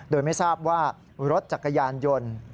โดยไม่ทราบว่ารถจักรยานยนต์